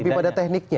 lebih pada tekniknya